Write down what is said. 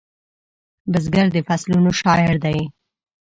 بزګر د فصلونو شاعر دی